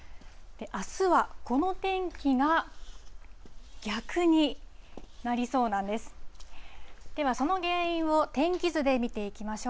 あすはこの天気が逆になりそうなんです。